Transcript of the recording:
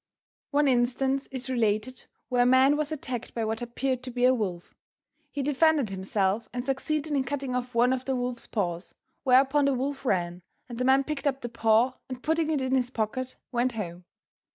One instance is related where a man was attacked by what appeared to be a wolf. He defended himself and succeeded in cutting off one of the wolf's paws, whereupon the wolf ran and the man picked up the paw and putting it in his pocket went home.